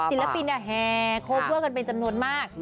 ศิลปินแห่โคเวอร์กันเป็นจำนวนมาก